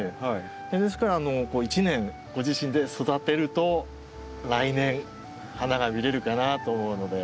ですから１年ご自身で育てると来年花が見れるかなと思うので。